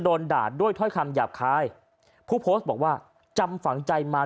โดนด่าด้วยถ้อยคำหยาบคายผู้โพสต์บอกว่าจำฝังใจมา